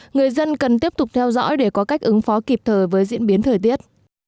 người dân cần tiếp tục theo dõi để có cách ứng phó kịp thời với diễn biến thời tiết